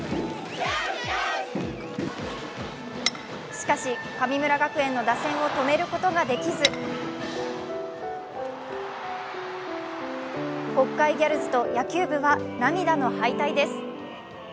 しかし、神村学園の打線を止めることができず、北海ギャルズと野球部は涙の敗退です。